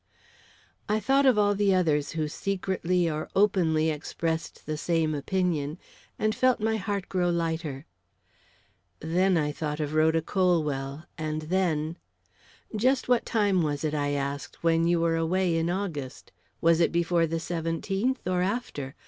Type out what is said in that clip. I thought of all the others who secretly or openly expressed the same opinion, and felt my heart grow lighter. Then I thought of Rhoda Colwell, and then "Just what time was it," I asked, "when you were away in August? Was it before the seventeenth, or after?